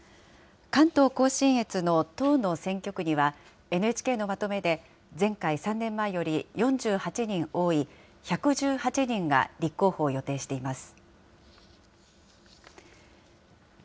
関東甲信越の１０の選挙区には、ＮＨＫのまとめで、前回・３年前より４８人多い、１１８人が立候補を予定しています。